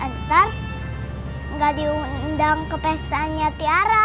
ntar gak diundang ke pestaannya ciara